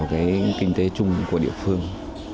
góp phần vào cái kinh tế chung của địa phương